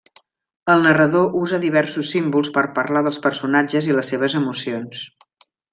El narrador usa diversos símbols per parlar dels personatges i les seves emocions.